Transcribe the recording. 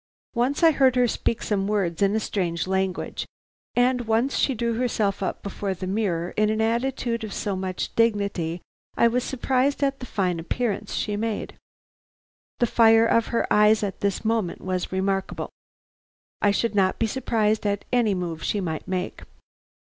Once I heard her speak some words in a strange language, and once she drew herself up before the mirror in an attitude of so much dignity I was surprised at the fine appearance she made. The fire of her eyes at this moment was remarkable. I should not be surprised at any move she might make.